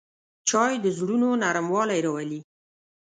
چای د زړونو نرموالی راولي